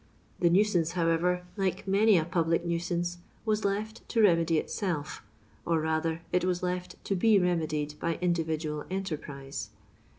The nuisance, however, like many a public nuisance, was left to remedy itself or rather it was left to be remedied by indiyidnal enterprise.